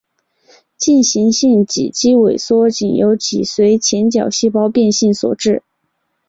进行性脊肌萎缩仅由脊髓前角细胞变性所致。